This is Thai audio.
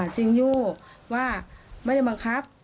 จริงอยู่ว่าไม่ได้บังคับ